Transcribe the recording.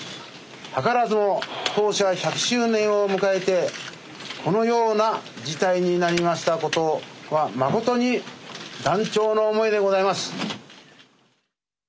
図らずも当社１００周年を迎えてこのような事態になりましたことは誠に断腸の思いでございます。